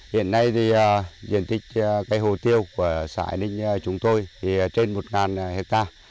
hiện nay thì diện tích cây hồ tiêu của xã ninh chúng tôi thì trên một hectare